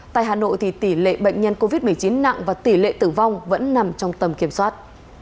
tại hà nội thì tỷ lệ bệnh nhân covid một mươi chín nặng và tỷ lệ tử vong vẫn nằm trong tầm kiểm soát